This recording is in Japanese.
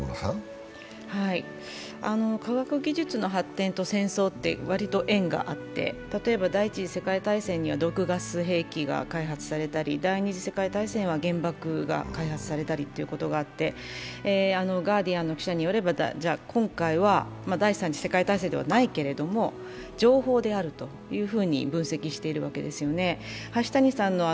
科学技術の発展と戦争って割と縁があって、例えば第一次世界大戦では毒ガス兵器が開発されたり第二次世界大戦は原爆が開発されたりということがあって「ガーディアン」の記者によれば、今回は第三次世界大戦ではないけれど、情報であるというふうに分析しているわけですよね。